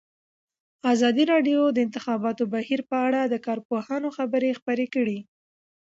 ازادي راډیو د د انتخاباتو بهیر په اړه د کارپوهانو خبرې خپرې کړي.